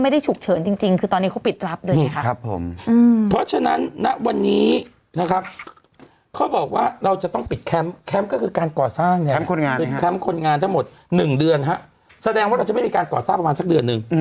เดือนฮะแสดงว่าเราจะไม่มีการก่อสร้างประมาณสักเดือนหนึ่ง